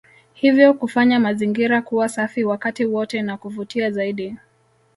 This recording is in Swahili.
Hivyo kuyafanya mazingira kuwa safi wakati wote na kuvutia zaidi